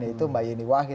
itu mbak yeni wahid